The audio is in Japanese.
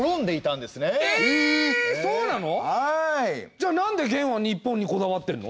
じゃあなんで元は日本にこだわってるの？